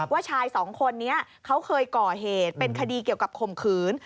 ว่าชายสองคนนี้เขาเคยก่อเหตุเป็นคดีเกี่ยวกับข่มขืน